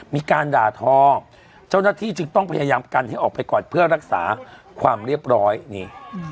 มีการด่าทอเจ้าหน้าที่จึงต้องพยายามกันให้ออกไปก่อนเพื่อรักษาความเรียบร้อยนี่